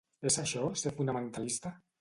¿És això ser fonamentalista?